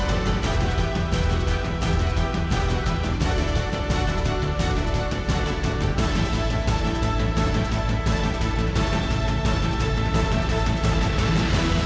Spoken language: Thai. โอกาสเป็นศูนย์